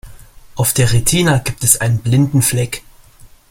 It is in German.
Auf der Retina gibt es einen blinden Fleck.